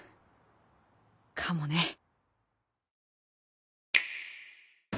かもね。